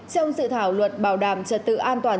trong sự thảo luận bảo đảm trật tự an toàn